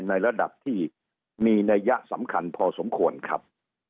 ในระดับที่มีนัยยะสำคัญพอสมควรครับ